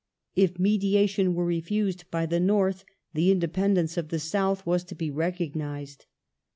If mediation were refused by the North, the indepen dence of the South was to be recognized.